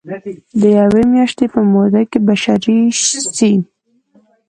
د يوې مياشتي په موده کي بشپړي سي.